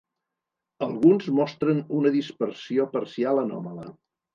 Alguns mostren una dispersió parcial anòmala.